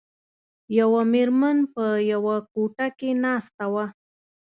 یوه میرمن په یوه کوټه کې ناسته وه.